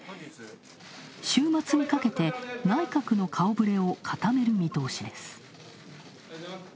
週末にかけて、内閣の顔ぶれを固める見通しです。